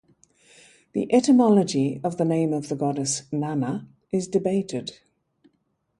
The etymology of the name of the goddess "Nanna" is debated.